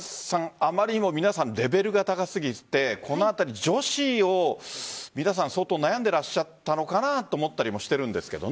あまりにも皆さんレベルが高すぎてこのあたり女子を相当悩んでらっしゃったのかなと思ったりもしているんですけど。